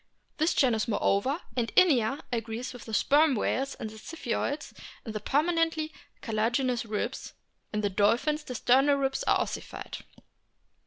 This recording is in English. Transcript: This genus moreover, and Inia, agrees with the Sperm whales and the Ziphioids in the permanently carti laginous ribs ; in the dolphins the sternal ribs are ossified.